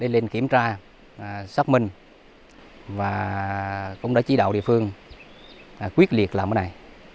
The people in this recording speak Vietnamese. lên kiểm tra xác minh và cũng đã chỉ đạo địa phương quyết liệt làm cái này